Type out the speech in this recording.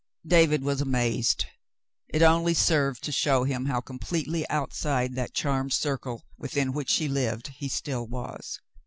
David was amazed. It only served to show him how completely outside that charmed circle within which she lived he still was.